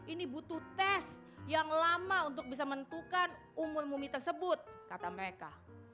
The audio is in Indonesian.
ini butuh tes yang lama untuk bisa menentukan umur mumi tersebut kata mereka